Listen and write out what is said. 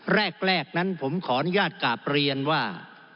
แรกนั้นผมขออนุญาตกราบเรียนว่า